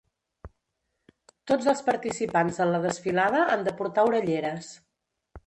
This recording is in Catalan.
Tots els participants en la desfilada han de portar orelleres.